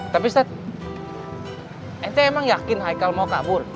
tapi ustadz emang yakin haikel mau kabur